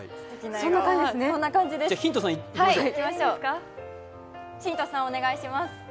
ヒント３いきましょう。